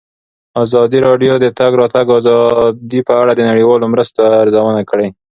ازادي راډیو د د تګ راتګ ازادي په اړه د نړیوالو مرستو ارزونه کړې.